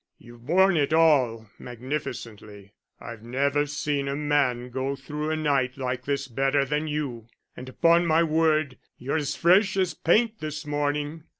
"You've borne it all magnificently. I've never seen a man go through a night like this better than you; and upon my word, you're as fresh as paint this morning."